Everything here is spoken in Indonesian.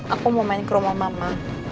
aku mau main ke rumah mama